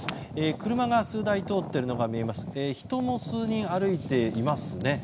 車が数台、通っているのが見えますし人も数人歩いていますね。